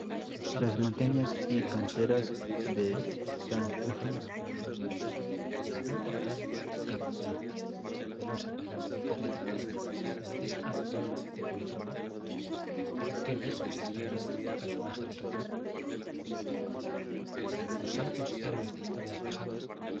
El tren de cercanías Coaster opera en una vía de de longitud.